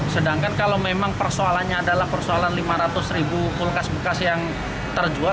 sedangkan kalau memang persoalannya adalah persoalan lima ratus ribu kulkas bekas yang terjual